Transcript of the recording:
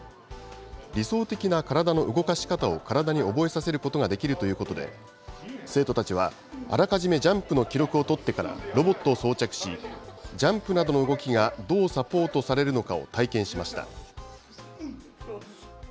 理想的な体の動かし方を体に覚えさせることができるということで、生徒たちは、あらかじめジャンプの記録を取ってから、ロボットを装着し、ジャンプなどの動きがどうサポートされるのかを体験しました。